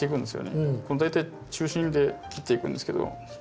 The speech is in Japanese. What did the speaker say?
大体中心で切っていくんですけど。